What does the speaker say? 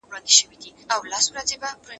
زه اوږده وخت د سبا لپاره د ژبي تمرين کوم!!